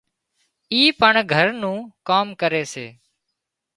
اِي پڻ گھر نُون ڪام ڪري سي